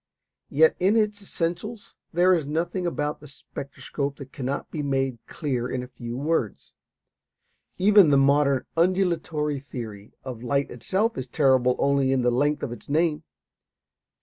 Yet in its essentials there is nothing about the spectroscope that cannot be made clear in a few words. Even the modern "undulatory theory" of light itself is terrible only in the length of its name.